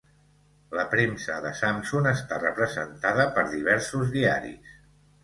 La premsa de Samsun està representada per diversos diaris.